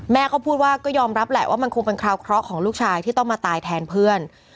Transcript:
เขาพูดว่าก็ยอมรับแหละว่ามันคงเป็นคราวเคราะห์ของลูกชายที่ต้องมาตายแทนเพื่อน